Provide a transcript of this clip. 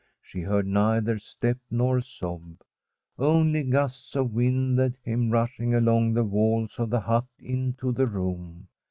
She heard neither step nor sob, only gusts of wind that came rushing along the walls of the hut into the room.